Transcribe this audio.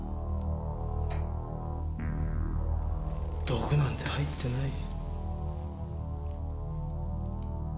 毒なんて入ってない。